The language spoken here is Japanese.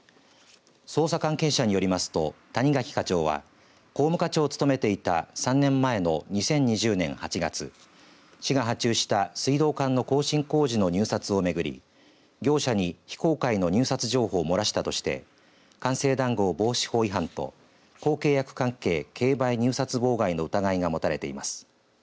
捜査関係者によりますと谷垣課長は工務課長を務めていた３年前の２０２０年８月市が発注した水道管の更新工事の入札を巡り業者に非公開の入札情報を漏らしたとして官製談合防止法違反と公契約関係競売入札妨害の疑いが持たれています。